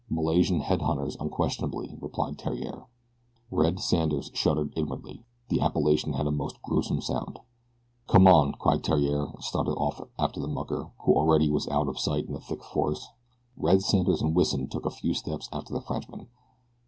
"Malaysian head hunters, unquestionably," replied Theriere. Red Sanders shuddered inwardly. The appellation had a most gruesome sound. "Come on!" cried Theriere, and started off after the mucker, who already was out of sight in the thick forest. Red Sanders and Wison took a few steps after the Frenchman.